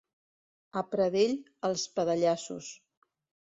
A Pradell, els pedallassos.